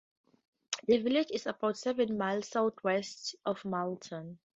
The village is about seven miles south-west of Malton.